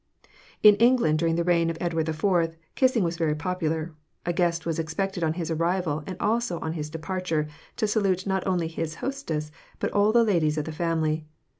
In England during the reign of Edward IV., kissing was very popular; a guest was expected on his arrival and also on his departure to salute not only his hostess but all the ladies of the family.